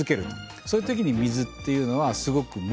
そういうときに水っていうのはすごく向いてる。